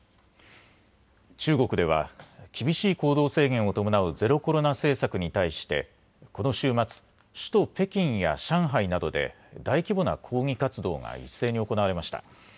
中国では厳しい行動制限を伴うゼロコロナ政策に対してこの週末、首都・北京や上海などで大規模な抗議活動が一斉に行われました。